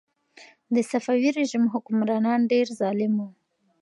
د صفوي رژیم حکمرانان ډېر ظالم وو.